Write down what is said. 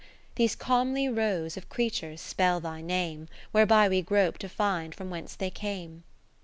These comely rows of creatures spell Thy Name, Whereby we grope to find from whence they came.